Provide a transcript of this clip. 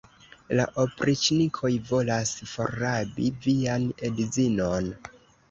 La opriĉnikoj volas forrabi vian edzinon!